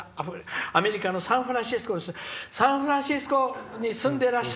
私はアメリカのサンフランシスコに住んでいます」。